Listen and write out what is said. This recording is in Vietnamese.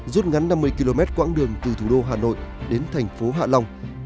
rút ngắn năm mươi km quãng đường từ thủ đô hà nội đến thành phố hạ long